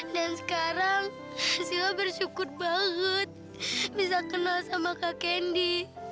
dan sekarang silla bersyukur banget bisa kenal sama kak kendi